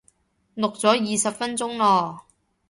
錄足二十分鐘咯